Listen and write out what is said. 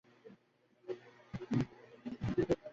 এনবিআরের অবস্থা ক্রিকেটের ব্যাটসম্যানের মতো।